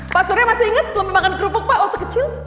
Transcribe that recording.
pasurnya masih inget lomba makan kerupuk pak untuk kecil inget rasanya